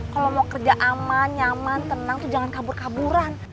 kalau mau kerja aman nyaman tenang tuh jangan kabur kaburan